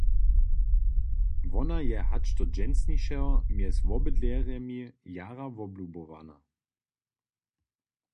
Wona je hač do dźensnišeho mjez wobydlerjemi jara woblubowana.